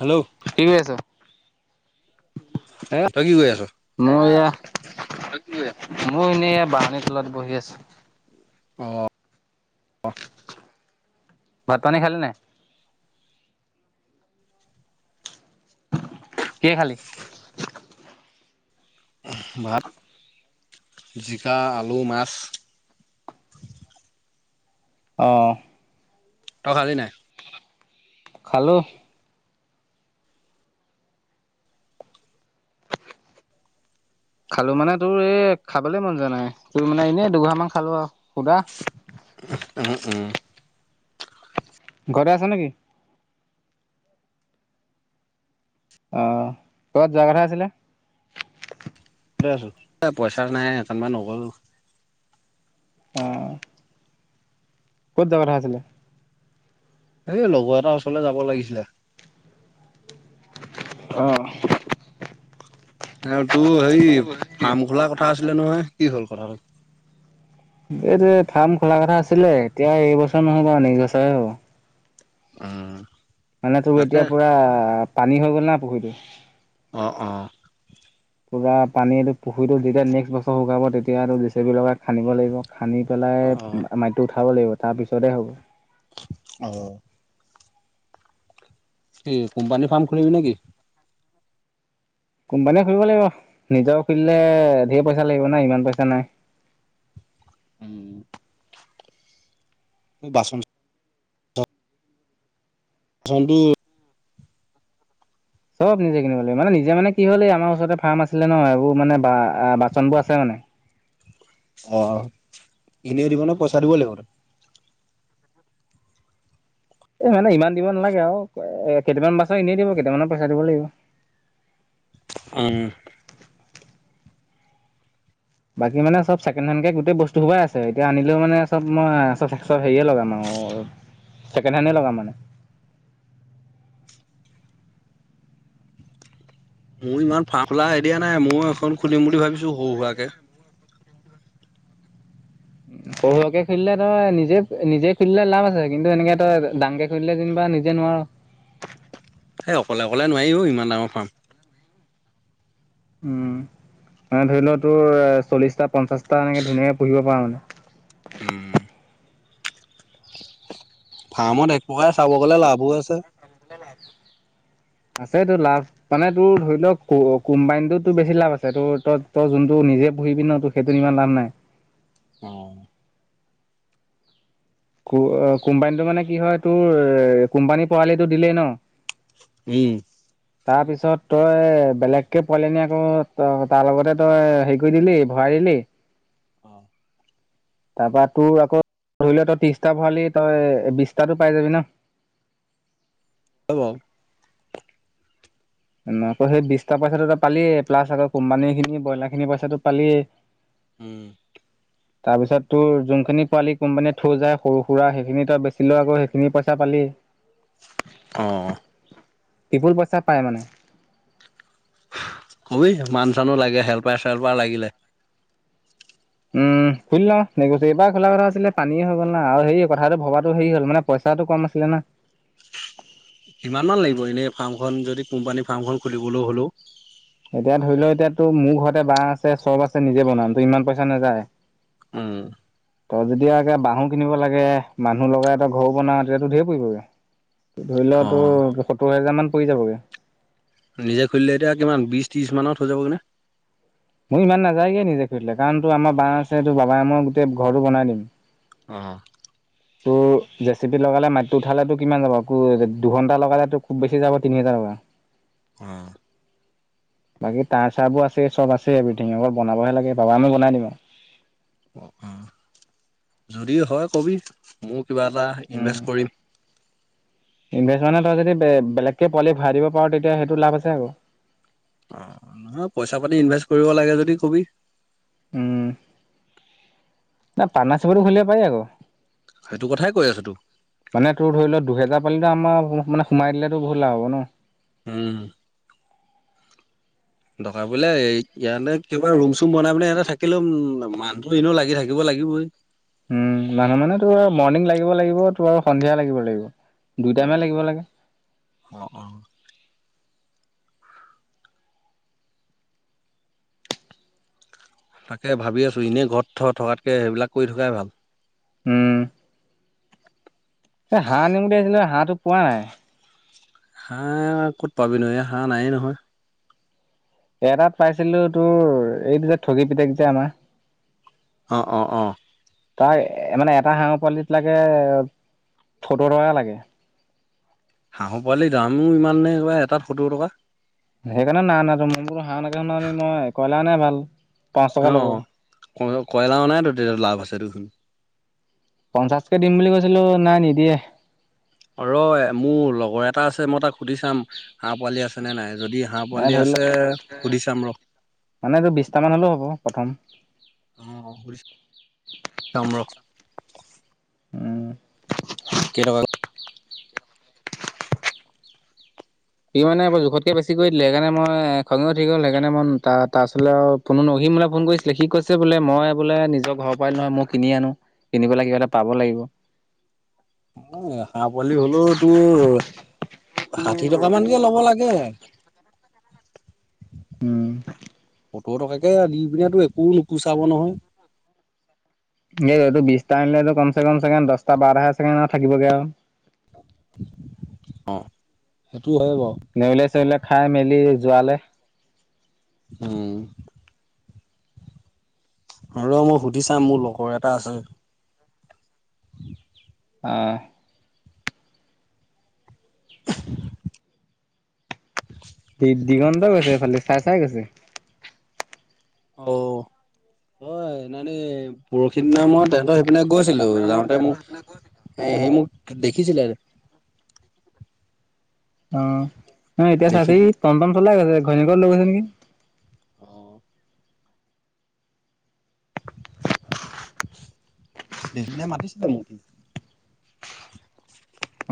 Hello কি কৰি আছে? এ্ তই কি কৰি আছ? মই এয়া- মই এনেই বাহনী তলত বহি আছো। অ্ঁ ভাত-পানী খালি নাই? কি খালি? ভাত, জিকা, আলু, মাছ অ্ তই খালি নাই? খালোঁ। খালো মানে তোৰ এই খাবলে মন যোৱা নাই, তোৰ মানে এনে দুগৰা মান খালো আৰু, সুদা। উম উম। ঘৰতে আছে নেকি? অ্ কৰবাত যোৱা কথা আছিলে? এ পইচা নাই সেইকাৰণে নগলো। অ্ঁ ক'ত যোৱা কথা আছিলে? এই লগৰ এটা ওচৰলে যাব লাগিছিলে। অঁ এ তোৰ হেৰি ফাৰ্ম খোলা কথা আছিলে নহয় কি হ'ল কথাটো? এইটো ফাৰ্ম খোলা কথা আছিলে এতিয়া এইবছৰ নহব নেস্ক বছৰে হ'ব। অ্ মানে তোৰ এতিয়া পুৰা পানী হৈ গ'ল না পুখুৰীটো। অ অ। পূৰা পানীটো পুখুৰীটো যেতিয়া নেক্সট বছৰ শুকাব তেতিয়া সেটো জেচেপি লগাই খানিব লাগিব। খানি পেলাই অ'। মাটি উঠাব লাগিব তাৰপিছতে হ'ব। অ্। কি কোম্পানী ফাৰ্ম খুলিবি নেকি? কোম্পানীয়ে খুলিব লাগিব, নিজৰ খুলিলে ধেৰ পইচা লাগিব ন' ইমান পইচা নাই। উম্ এ বাচন চনতো চব নিজে কিনিব লাগিব মানে নিজে মানে কি হ'ল এই আমাৰ ওচৰতে ফাৰ্ম আছিলে ন এইবোৰ মানে বা বাচনবোৰ আছে মানে। অ, এনে দিব নে পইচা দিব লাগিব? এই মানে ইমান দিব নালাগে আৰু এ কেইটামান বাছন এনেই দিব কেইটামানৰ পইচা দিব লাগিব। উম। বাকী মানে চব ছেকেণ্ড হেণ্ডকে গোটেই বস্তু সোপাই আছে এতিয়া আনিলে মানে চব মই [unintelligible] চব হেৰিয়ে লগাম আৰু ছেকেণ্ড হেণ্ডেই লগাম মানে। মোৰ ইমান ফাৰ্ম খোলা আইডিয়া নাই, ময়ো এখন খুলিম বুলি ভাবিছো সৰু সুৰাকে। সৰু সুৰাকে খুলিলে তই নিজে নিজে খুুলিলে লাভ আছে কিন্তু এনেকে তই দাঙকে ধৰিলে যেনিবা নিজে নোৱাৰা। এ অকলে অকলে নোৱাৰি অ ইমান ডাঙৰ ফাৰ্ম। উম মানে ধৰি লও তোৰ চল্লিশটা, পঞ্চাশটা এনেকে ধুনীয়াকে পুহিব পাৰা মানে। উম। ফাৰ্মত এক প্ৰকাৰে চাব গ'লে লাভো আছে। আছেটো লাভ। মানে তোৰ ধৰি লওক কো অ কোম্পানিটোত তোৰ বেছি লাভ আছে তোৰ ত তই যোনটো নিজে পুহিবি ন তোৰ সেইটো ইমান লাভ নাই। অহ। কো অ কোম্পানীটো মানে কি হয় তোৰ কোম্পানী পোৱালিটো দিলেই ন? উম। [inaudible] তাৰপিছত তই বেলেগকে পোৱালি নি আকৌ তই তাৰ লগতে তই হেৰি কৰি দিলি ভৰাই দিলি। অ। তাৰ পৰা তোৰ আকৌ ধৰি ল তই ত্ৰিশটা ভৰালি তই বিশতাতো পাই যাবি ন। হ'ব। ওম আকৌ সেই বিশটা পইচাটোত পালিয়ে প্লাছ আক কোম্পানীখিনি ব্ৰইলাৰখিনি পইচাটো পালিয়ে। উম। [inaudible] তাৰপিছত তোৰ যোনখিনি পোৱালি কোম্পানীয়ে থৈ যায় সৰু সুৰা সেইখিনি তই বেছি লৈ আকৌ সেইখিনি পইচা পালিয়ে। [inaudible] অঁ। টিপুল পইচা পায় মানে। হু কবি মানুহ - চানুহ লাগে হেলপাৰ - চেলপাৰ লাগিলে। উম। খুলি লওঁ নে কি কৈছে এইবাৰ খোলা কথা আছিলে পানীয়েই হৈ গল না আৰু হেৰি কথাটো ভবাতো হেৰি হল মানে পইচাটো কম আছিলে না। কিমানমান লাগিব এনেই ফাৰ্মখন যদি কোম্পানী ফাৰ্মখন খুলিবলৈ হলেও? এতিয়া ধৰি লও এতিয়াতো মোৰ ঘৰতে বাঁহ আছে চব আছে নিজে বনাম, ত ইমান পইচা নাযায়। উম। তই যদি আগে বাঁহও কিনিব লাগে, মানুহ লগাই তই ঘৰ বনাও তেতিয়াতো ঢেৰ পৰিবগে। ধৰি লোৱা অ তোৰ সত্তৰ হেজাৰমান পৰি যাবগে। নিজে খুলিলে এতিয়া কিমান বিশ, ত্ৰিশ মানত হৈ যাবগে না? মোৰ ইমান নাযায়গে নিজে খুলিলে কাৰণ তোৰ আমাৰ বাঁহ আছে তো বাবাই মই গোটেই ঘৰটো বনাই দিম। অহ। ত জেচিপি লগালে মাটিটো উঠালেতো কিমান যাব কু দুঘণ্টা লগালে তোৰ খুব বেছি যাব তিনিহেজাৰ টকা। [inaudible] অ। বাকী তাঁৰ চাৰবোৰ আছে চব আছে এভৰিথিং অকল বনাবহে লাগে বাবা মই বনাই দিম আৰু। অ যদি হয় কবি ময়ো কিবা এটা উম, ইনভেষ্ট কৰিম। ইনভেষ্ট মানে তই যদি বে বেলেগকৈ পোৱালি ভৰাই দিব পাৰ তেতিয়া সেইটো লাভ আছে আকৌ। অ নহয় পইচা পাতি ইনভেষ্ট কৰিব লাগে যদি ক'বি। উম নাই পাটনাৰচিপত খুলিব পাৰি আকৌ। সেইটো কথাই কৈ আছো তোক। মানে তোৰ ধৰি ল দুহেজাৰ পালেটো আমাৰ মানে সোমাই দিলেতো বহুত লাভ হ'ব ন। হম। দৰকাৰ পৰিলে এই ইয়াতে কিবা ৰুম চুম বনাই পিনে ইহঁতে থাকি লোম মানুহটো এনেও লাগি থাকিব লাগিবই। উম মানুহ মানে তোৰ মৰ্ণিং লাগিব লাগিব তোৰ আৰু সন্ধিয়া লাগিব লাগিব দুই টাইমে লাগিব লাগে। অ অ। তাকে ভাবি আছোঁ ইনেই ঘৰত থ থকাতকৈ সেইবিলাক কৰি থকাই ভাল। উম। এ হাঁহ আনিম বুলি ভাবিছিলো হাঁহটো পোৱা নাই। হাঁহ ক'ত পাবি ন এইয়া হাঁহ নায়েই নহয়। এটাত পাইছিলো তোৰ এইটো যে ঠগি পিতেক যে আমাৰ অ অ অ তাৰ মানে এটা হাঁহৰ পোৱালিত লাগে সত্তৰ টকা লাগে হাঁহৰ পোৱালিৰ দামো ইমান নে এটাত সত্তৰ টকা সেইকাৰণে নাই অনাতো মই মই বোলো হাঁহ এনেকে নোৱাৰিম মই কয়লা অনাই ভাল পাঁচ টকা অ ল'ব, ক কয়লা অনাইতো তেতিয়া লাভ আছে দেখোন পঞ্চাছ কে দিম বুলি কৈছিলো নাই নিদিয়ে ৰ' মোৰ লগৰ এটা আছে মই তাক সুধি চাম হাঁহ পোৱালি আছে আছে নে নাই যদি হাঁহ এ পোৱালি ধৰি লওক আছে সুধি চাম ৰ' মানে এইটো বিশটা মান হ'লেও হ'ব প্ৰথম অ সুধি চাম ৰ' উম [inaudible] কেই টকা সি মানে বোৰ জোখতকৈ বেছি কৰি দিলে সেইকাৰণে মই খঙে উঠি গ'ল সেইকাৰণে মই তাৰ তাৰ ওচৰলে আৰু ফোনো ন সি মোলে ফোন কৰিছিলে সি বোলে মই বোলে নিজৰ ঘৰৰ পোৱালি নহয় মই কিনি আনো কিনি পেলাই কিবা এটা পাব লাগিব অ হাঁহ পোৱালি হ'লেও তোৰ ষাঠি টকা মানকে ল'ব লাগে উম সত্তৰ টকাকে দি পিনে তোৰ একো নোপোচাব নহয় [inaudible] এই এইটো বিশটা আনিলেটো কম চে কম চাগে দহটা বাৰটা চাগে এনেও থাকিবগে আৰু অ সেইটো হয় বাৰু নেউলে চেউলে খাই মেলি যোৱালে উম ৰ' মই সুধি চাম মোৰ লগৰ এটা আছে আহ দি দিগন্ত গৈছে এইফাল দি চাই চাই গৈছে অ' হয় সেইদিনাখনি পৰহি দিনা মই তেহেঁতৰ সেই পিনে গৈছিলোঁ যাওঁতে মোক সি মোক দেখিছিলে অহ নাই এতিয়া দেখি চাবি টম টম চলাই গৈছে ঘৈনীয়েকক লৈ গৈছে নেকি অ' দেখি [unintelligible] মাতিছিলে মোক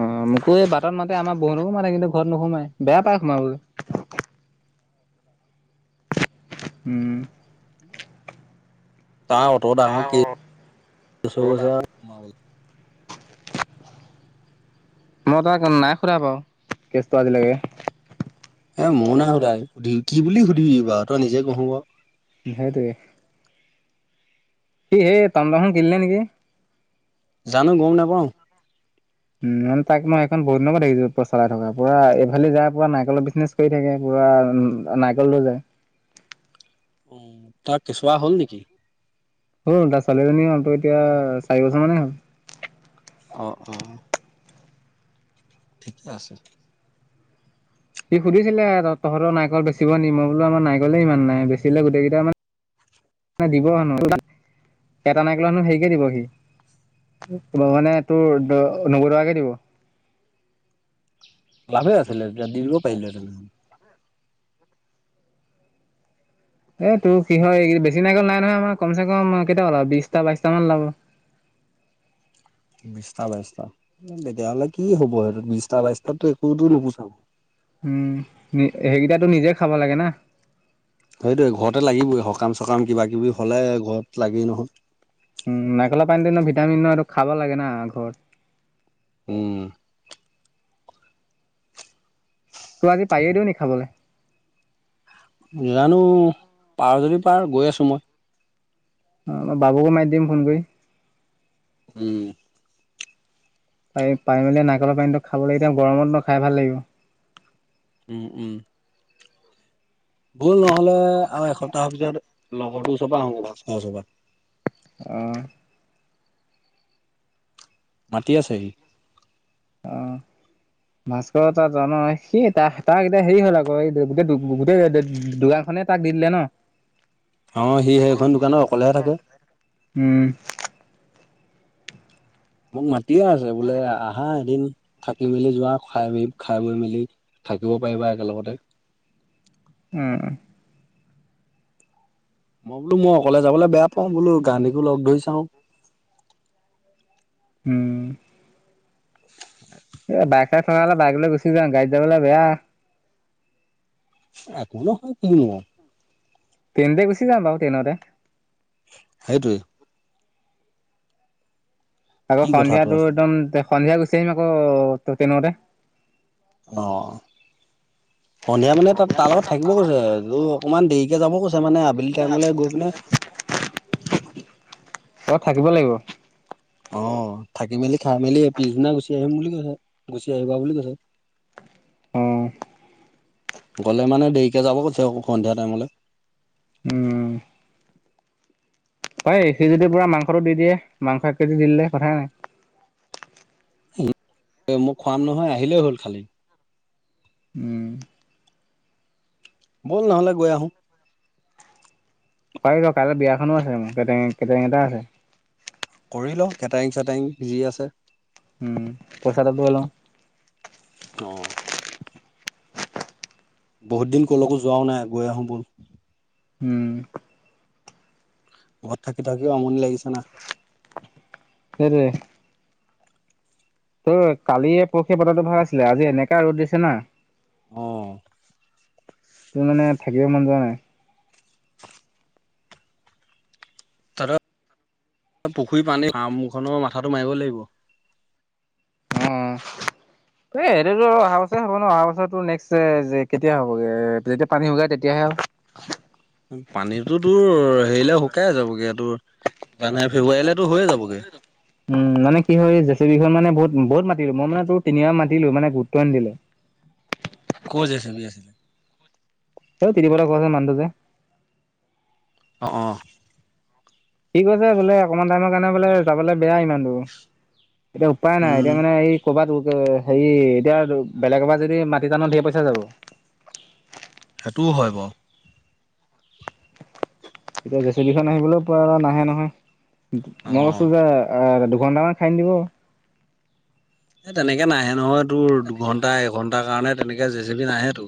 অ মোকো এই বাটত মাতে আমাৰ বৌহঁতকো মাতে কিন্তু ঘৰত নোসোমাই বেয়া পায় সোমাবলৈ উম তাৰ অত ডাঙৰ কে [unintelligible] হৈছে আৰু [unintelligible] মই তাক নাই সোধা বাও কেছটো আজিলৈকে এ ময়ো নাই সুধা, সুধি কি বুলি সুধিবি বাৰু তই নিজে কচোন বাও সেইটোৱে সি সেই টম টম এখন কিনিলে নেকি জানো গম নাপাওঁ উম মানে তাক মই এইখন বহুত দিনৰ পৰা দেখিছোঁ পুৰা চলাই থকা পুৰা এইফালি যায় পুৰা নাৰিকলৰ বিজনেছ কৰি থাকে পুৰা না নাৰিকল লৈ যায় উম তাৰ কেঁচুৱা হ'ল নেকি হ'ল তাৰ ছোৱালীজনীয়ে হ'লতো এতিয়া চাৰি বছৰ মানেই হ'ল অ অ ঠিকে আছে সুধছিলে তহঁতৰ নাৰিকল বেচিব নি মই বোলো আমাৰ নাৰিকলে ইমান নাই বেচিলে গোটেই কেইটা মান দিব আৰু [unintelligible] এটা নাৰিকলত হেনো হেৰিকে দিব সি দিব মানে তোৰ দ নব্বৈ টকাকে দিব লাভে আছিলে তে দি দিব পাৰিলি হেঁতেন এই তোৰ কি হয় এই বেছি নাৰিকল নাই নহয় আমাৰ কম চে কম কেইটা ওলাব বিশটা বাইশটামান ওলাব। বিশটা, বাইশটা! তেতিয়াহ'লে কি হ'ব সেইটোত বিশটা বাইশটাতো একোতো নুপুচাও উম সে সেইকেইটাতো নিজে খাব লাগে না? সেইটোৱেই ঘৰতে লাগিবই, সকাম-চকাম কিবা কিবি হ'লে ঘৰত লাগেই নহয়। উম নাৰিকলৰ পানীটো এনেও ভিটামিন ন সেইটো খাব লাগে না ঘৰত। উম। তোৰ আজি পাৰিয়ে দিওঁ নি খাবলে? জানো! পাৰ যদি পাৰ গৈ আছোঁ মই। অ মই বাবুকো মাতি দিম ফোন কৰি। উম। পাৰি পাৰি মেলি নাৰীকলৰ পানীটো খাবলৈ এতিয়া গৰমত ন খায় ভাল লাগিব। উম উম। বল নহ'লে আৰু এসপ্তাহৰ পিছত লগৰটো ওচৰৰ পৰা আহোঁ ভাস্কৰ ওচৰৰ পৰা। অহ। মাতি আছে সি। অ। ভাস্কৰৰ তাত জানই, সি তাৰ তাৰ এতিয়া হেৰি হ'ল আকৌ এই গোটেই গোটেই দো দো দোকানখনেই তাক দি দিলে ন? অ সি সেইখন দোকানত অকলেহে থাকে। উম। মোক মাতিহে আছে বোলে আহ আহা এদিন থাকি মেলি যোৱা খাই খাই বৈ মেলি থাকিব পাৰিবা একেলগতে। উম। মই বোলো মই অকলে যাবলৈ বেয়া পাওঁ, বোলো গান্ধীকো লগ ধৰি চাওঁ। উম। [inaudible] তাই তই অলপ বাইক লৈ গুচি যাম, গাড়ীত যাবলৈ বেয়া। একো নহয়? [unintelligible] ট্ৰেইনতে গুচি যাম বাৰু, ট্ৰেইনতে। সেইটোৱেই। আকৌ কি সন্ধিয়া কথাটো তোৰ আছিলে একদম সন্ধিয়া গুচি আহিম আকৌ টেইনতে। অ, সন্ধিয়া মানে তাত তাৰ লগত থাকিব কৈছে। [unintelligible] অকণমান দেৰিকে যাব কৈছে মানে আ অ, থাকিব লাগিব। অ, থাকি মেলি, খাই মেলি পিছদিনা গুচি আহিম বুলি কৈছে, গুচি আহিবা বুলি কৈছে। উম। গ'লে মানে দেৰিকে যাব কৈছে আও সন্ধিয়া টাইমলৈ। উম। পাৰি, সি যদি পূৰা মাংসটো দি দিয়ে, মাংস এক কেজি দিলে কথাই নাই। উহু, মই খোৱাম নহয় আহিলেই হ'ল খালি। উম। ব'ল নহ'লে গৈ আহোঁ। পাৰি কাইলৈ বিয়াখনো আছে, কেটাৰিং, কেটাৰিং এটা আছে। কৰি ল কেটাৰিং-চেটাৰিং যি আছে। উম। [unintelligible] অ। বহুত দিন ক'লৈকো যোৱাও নাই, গৈ আহো ব'ল। উম। ঘৰত থাকি-থাকিও আমনি লাগিছে না। সেইটোৱে। ত', কালিয়ে পৰহিয়ে বতৰটো ভাল আছিলে, আজি এনেকুৱা ৰ'দ দিছে না। অ তোৰ মানে থাকিব মন যোৱা নাই। তহঁতৰ পুখুৰী পানী, ফাৰ্মখনৰো মাথাটো মাৰিব লাগিব। অঁ। এই এইটোতো অহা বছৰে হ'ব ন, অহা বছৰ তোৰ নেক্সট যে কেতিয়া হ'বগে, যেতিয়া পানী শুকাই তেতিয়াহে আৰু। পানীটো তোৰ হেৰিলে শুকায়েই যাবগে, তোৰ জানুৱাৰী-ফেব্ৰুৱাৰীলেতো শুকাই যাবগে। উম, মানে কি হয় জেচেবিখন মানে বহুত-বহুত মাতিলো, মই মানে তোৰ তিনিবাৰ মাতিলো মানে গুৰত্ব নিদিলে। ক'ৰ জেচিবি আছিলে? হও ত্ৰিদিপ হঁতৰ ঘৰ ওচৰৰ মানুহটো যে। অঁ, অঁ। সি কৈছে বোলে অকমান টাইমৰ কাৰণে বোলে যাবলৈ বেয়া ইমান দূৰ। এতিয়া উপায় নাই, উম এতিয়া মানে এই ক'ৰবাত হেৰি এতিয়া বেলেগৰ পৰা যদি মাটি টানো ধেৰ পইচা যাব। সেইটোও হয় বাৰু। এতিয়া জেচিবিখন আহিবলৈ [unintelligible] নাহে নহয়, অ। মই কৈছো যে অ, দুঘণ্টামান খানি দিব। এ, তেনেকে নাহে নহয়, তোৰ দুঘণ্টা-এঘণ্টাৰ কাৰণে তেনেকে জেচিবি নাহেতো।